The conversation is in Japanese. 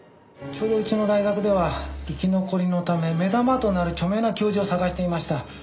ちょうどうちの大学では生き残りのため目玉となる著名な教授を探していました。